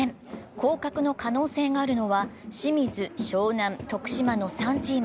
降格の可能性があるのは、清水、湘南、徳島の３チーム。